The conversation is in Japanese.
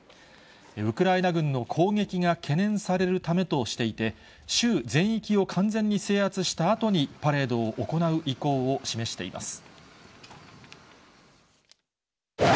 ウクライナ軍の攻撃が懸念されるためとしていて、州全域を完全に制圧したあとに、パレードを行う意向を示しています。